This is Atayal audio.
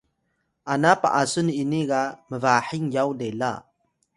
ana p’asun ini ga mbahing yaw lela